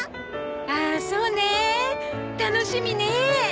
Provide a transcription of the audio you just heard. ああそうねえ楽しみねえ！